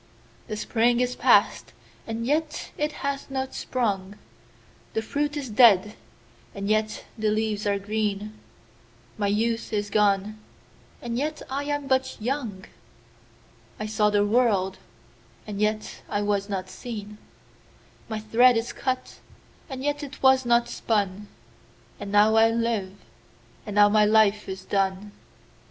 7The spring is past, and yet it hath not sprung,8The fruit is dead, and yet the leaves are green,9My youth is gone, and yet I am but young,10I saw the world, and yet I was not seen,11My thread is cut, and yet it was not spun,12And now I live, and now my life is done.